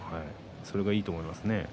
それがいいと思います。